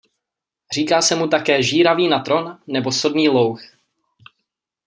Říká se mu také žíravý natron nebo sodný louh.